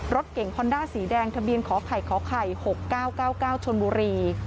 รถเก่งฮอนด้าสีแดงทะเบียนขอไข่ขอไข่๖๙๙๙๙ชนบุรี